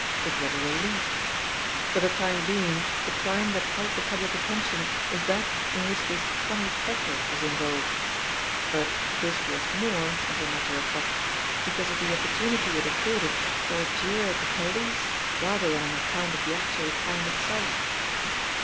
It was a relief ! For the time being the crime that held the public attention was that in which this Connie Pfeffer was involved, but this was more, as a mat ter of fact, because of the opportunity it afforded for a jeer at the police rather than on account of the actual crime itself.